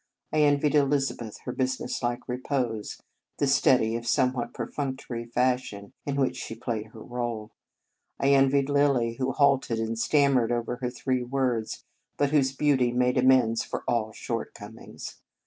I envied Elizabeth her business like repose, the steady, if somewhat perfunctory, fashion in which she played her part. I envied Lilly, who halted and stammered over her three words, but whose beauty made amends for all shortcomings.